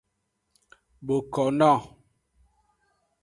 Bokono.